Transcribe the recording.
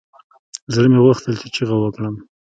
زړه مې غوښتل چې چيغه وکړم.